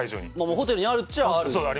ホテルにあるっちゃ、ある。